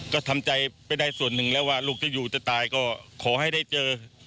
ก็ทำใจไปได้ส่วนหนึ่งแล้วว่าลูกจะอยู่จะตายก็ขอให้ได้เจอ